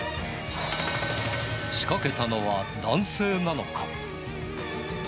仕掛けたのは男性なのか？